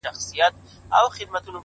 • هغه وه تورو غرونو ته رويا وايي ـ